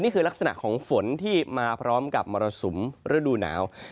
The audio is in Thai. นี่คือลักษณะของฝนที่มาพร้อมกับมรสุมฤดูหนาว